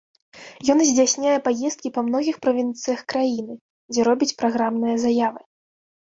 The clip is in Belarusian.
Ён здзяйсняе паездкі па многіх правінцыях краіны, дзе робіць праграмныя заявы.